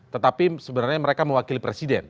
tetapi sebenarnya mereka mewakili presiden